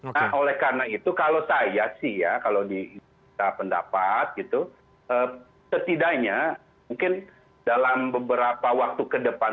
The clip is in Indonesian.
nah oleh karena itu kalau saya sih ya kalau di pendapat gitu setidaknya mungkin dalam beberapa waktu ke depan